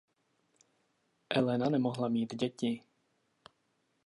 Elena nemohla mít děti.